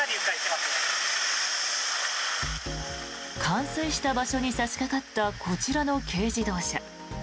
冠水した場所に差しかかったこちらの軽自動車。